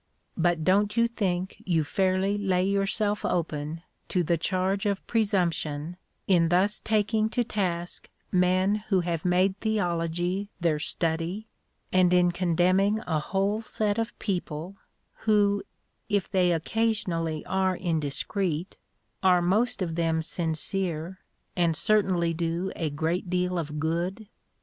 "But don't you think you fairly lay yourself open to the charge of presumption in thus taking to task men who have made theology their study, and in condemning a whole set of people, who, if they occasionally are indiscreet, are most of them sincere, and certainly do a great deal of good?